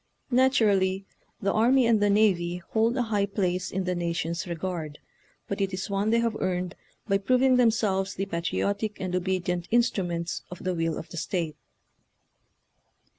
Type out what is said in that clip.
Natu rally the army and the navy hold a high place in the nation's regard, but it is one they have earned by proving themselves the patriotic and obedient instruments of the will of the state.